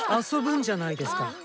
遊ぶんじゃないですか。